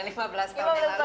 lima belas tahun yang lalu